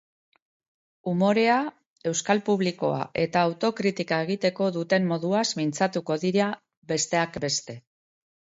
Umorea, euskal publikoa eta autokritika egiteko dutenmoduaz mintzatuko dira, besteak beste.